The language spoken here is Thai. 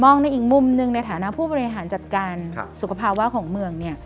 ในอีกมุมหนึ่งในฐานะผู้บริหารจัดการสุขภาวะของเมืองเนี่ย